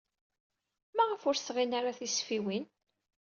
Maɣef ur sseɣsin ara tisfiwin?